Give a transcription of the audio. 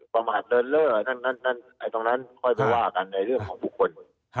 ประมาทเลินเล่อนั่นตรงนั้นค่อยไปว่ากันในเรื่องของบุคคล